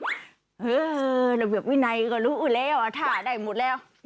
ฮือฮือระเบียบวินัยก็รู้แล้วท่าได้หมดละ